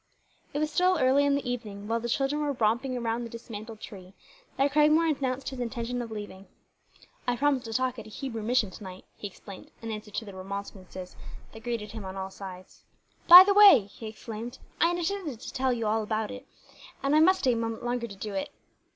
It was still early in the evening, while the children were romping around the dismantled tree, that Cragmore announced his intention of leaving. "I promised to talk at a Hebrew mission to night," he explained, in answer to the remonstrances that greeted him on all sides. "By the way," he exclaimed, "I intended to tell you about that, and I must stay a moment longer to do it."